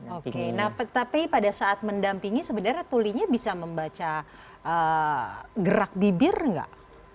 oke nah tapi pada saat mendampingi sebenarnya tulinya bisa membaca gerak bibir nggak